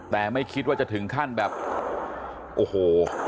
แต่ไม่คิดว่าจะถึงขั้นแบบโอ้โห